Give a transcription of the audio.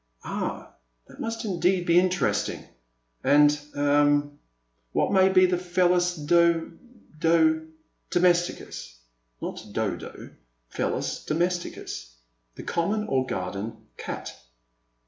*' Ah, that must indeed be interesting ! And — er — ^what may be the Felis Do— do 'Domesticus — ^not Dodo. Pelis Domesticus, the common or garden cat.'